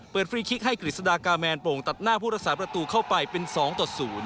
เปิดฟรีคิกให้กฤษฎากาแมนปลงตัดหน้าพุทธศาสตร์ประตูเข้าไปเป็น๒ต่อ๐